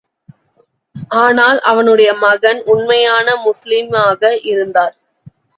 ஆனால், அவனுடைய மகன் உண்மையான முஸ்லிமாக இருந்தார்.